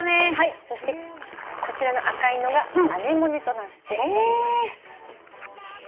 そしてこちらの赤いのがアネモネとなっております。